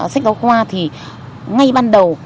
sách giao khoa thì ngay ban đầu